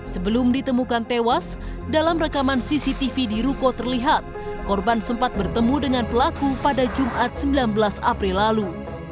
sebelum ditemukan tewas dalam rekaman cctv di ruko terlihat korban sempat bertemu dengan pelaku pada jumat sembilan belas april lalu